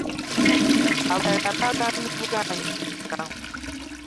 Abalala baagaanyi bugaanyi kujja.